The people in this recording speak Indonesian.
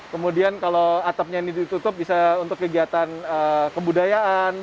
kemudian kalau atapnya ini ditutup bisa untuk kegiatan kebudayaan